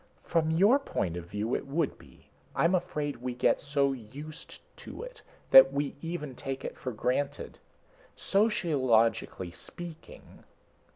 "From your point of view, it would be. I'm afraid we get so used to it that we even take it for granted. Sociologically speaking...."